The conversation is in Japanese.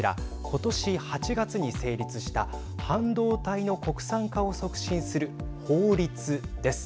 今年８月に成立した半導体の国産化を促進する法律です。